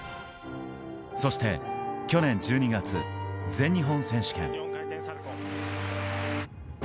そして去年１２月、全日本選手権。